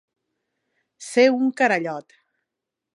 Ser un carallot.